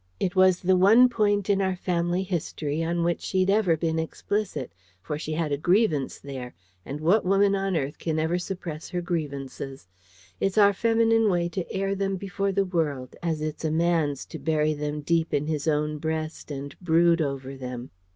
It was the one point in our family history on which she'd ever been explicit: for she had a grievance there; and what woman on earth can ever suppress her grievances? It's our feminine way to air them before the world, as it's a man's to bury them deep in his own breast and brood over them.